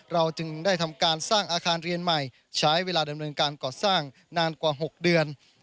เราจึงได้ทำการสร้างอาคารเรียนใหม่ใช้เวลาดำเนินการก่อสร้างนานกว่า๖เดือน